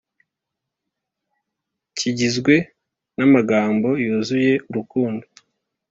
kigizwe na magambo yuzuye urukundo